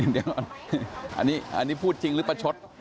เดี๋ยวอันนี้พูดจริงหรือประชด